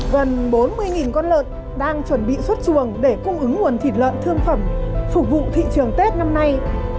gần bốn mươi con lợn đang chuẩn bị xuất chuồng để cung ứng nguồn thịt lợn thương phẩm phục vụ thị trường tết năm nay